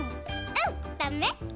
うんだめ？